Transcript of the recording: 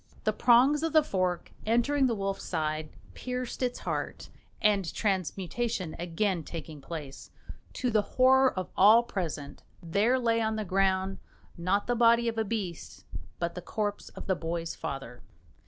The prongs of the fork, entering the wolf's side, pierced its heart; and transmutation again taking place, to the horror of all present there lay on the ground, not the body of a beast, but the corpse of the boy's father.